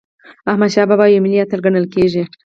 احمدشاه بابا یو ملي اتل ګڼل کېږي.